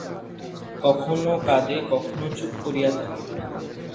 কখনো কাঁদে কখনো চুপ করিয়া থাকে।